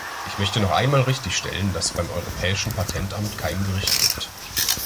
Ich möchte noch einmal richtig stellen, dass es beim Europäischen Patentamt kein Gericht gibt.